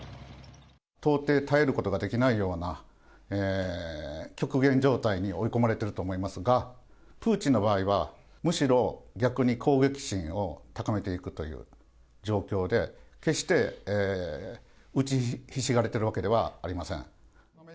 到底耐えることができないような、極限状態に追い込まれてると思いますが、プーチンの場合はむしろ逆に攻撃心を高めていくという状況で、決して打ちひしがれてるわけではありません。